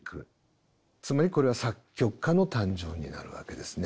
つまりこれは作曲家の誕生になるわけですね。